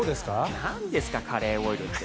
なんですかカレーオイルって。